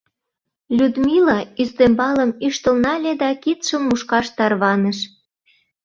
Людмила ӱстембалым ӱштыл нале да кидшым мушкаш тарваныш.